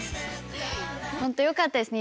本当よかったですね